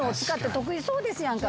得意そうですやんか。